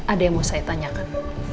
ada yang mau saya tanyakan